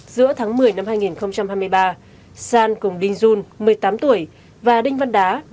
giữa tháng một mươi năm hai nghìn hai mươi ba san cùng đinh jun một mươi tám tuổi và đinh văn đá